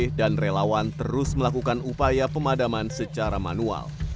bp dan relawan terus melakukan upaya pemadaman secara manual